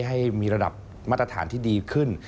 ให้มีระดับมาตรฐานที่ดีขึ้น